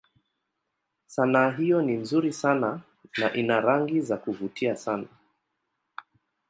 Sanaa hiyo ni nzuri sana na ina rangi za kuvutia sana.